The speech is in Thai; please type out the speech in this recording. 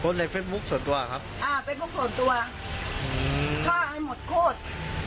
ในเฟซบุ๊คส่วนตัวครับอ่าเฟสบุ๊คส่วนตัวฆ่าให้หมดโคตร